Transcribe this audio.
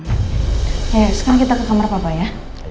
ya ya sekarang kita ke kamar papa ya